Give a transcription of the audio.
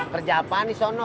kerja apaan disono